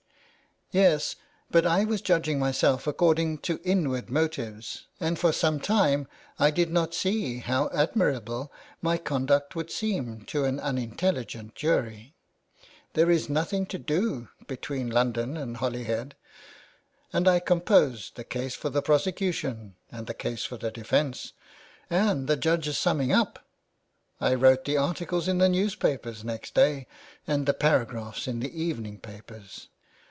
" Yes, but I was judging myself according to inward motives, and for some time I did not see how admir able my conduct would seem to an unintelligent jury. There is nothing to do between London and Holyhead, and I composed the case for the prosecution and the case for the defence and the judge's summing up. I wrote the articles in the newspapers next day and the paragraphs in the evening papers